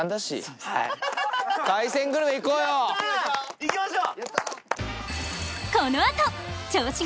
行きましょう！